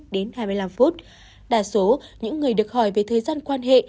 đến hai mươi năm phút đa số những người được hỏi về thời gian quan hệ